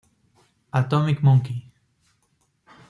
Atomic Monkey